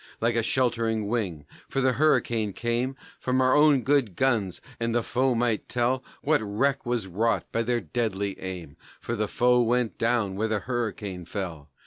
Like a sheltering wing, for the hurricane came From our own good guns, and the foe might tell What wreck was wrought by their deadly aim; For the foe went down where the hurricane fell.